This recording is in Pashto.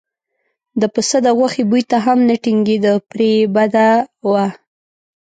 د پسه د غوښې بوی ته هم نه ټینګېده پرې یې بده وه.